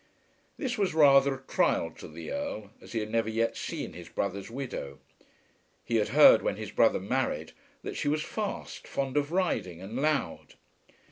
This was rather a trial to the Earl, as he had never yet seen his brother's widow. He had heard when his brother married that she was fast, fond of riding, and loud.